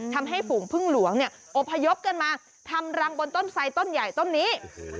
ทำให้ฝูงพึ่งหลวงเนี่ยอพยพกันมาทำรังบนต้นไสต้นใหญ่ต้นนี้